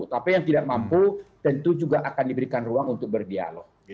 tapi yang tidak mampu tentu juga akan diberikan ruang untuk berdialog